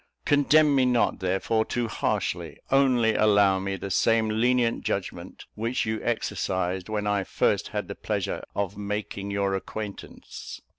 Condemn me not, therefore, too harshly; only allow me the same lenient judgment which you exercised when I first had the pleasure of making your acquaintance."